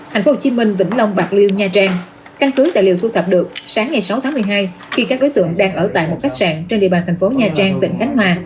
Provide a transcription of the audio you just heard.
tp hcm vĩnh long bạc liêu nha trang căn cứ tài liệu thu thập được sáng ngày sáu tháng một mươi hai khi các đối tượng đang ở tại một khách sạn trên địa bàn thành phố nha trang tỉnh khánh hòa